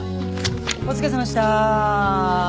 お疲れさまでした。